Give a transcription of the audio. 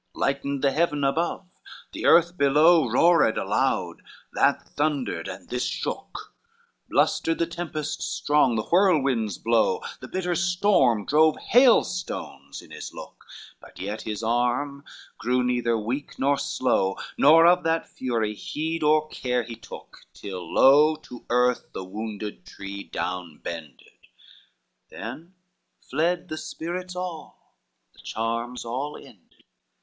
XXXVII Lightened the heavens above, the earth below Roared loud, that thundered, and this shook; Blustered the tempests strong, the whirlwinds blow, The bitter storm drove hailstones in his look; But yet his arm grew neither weak nor slow, Nor of that fury heed or care he took, Till low to earth the wounded tree down bended; Then fled the spirits all, the charms all ended.